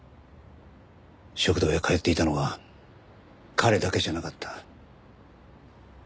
食堂へ通っていたのは彼だけじゃなかった。